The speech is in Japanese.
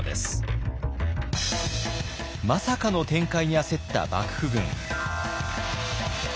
まさかの展開に焦った幕府軍。